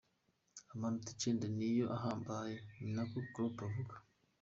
Amanota icenda niyo ahambaye, " niko Klopp avuga.